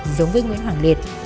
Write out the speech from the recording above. giống với nguyễn hoàng liệt